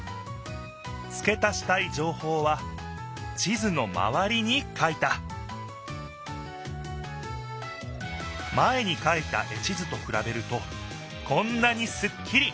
つけ足したいじょうほうは地図のまわりに書いた前に書いた絵地図とくらべるとこんなにすっきり。